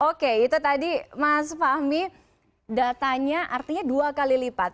oke itu tadi mas fahmi datanya artinya dua kali lipat